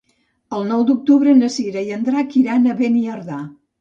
El nou d'octubre na Cira i en Drac iran a Beniardà.